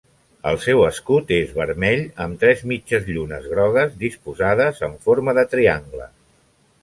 El seu escut és vermell amb tres mitges llunes grogues, disposades en forma de triangle.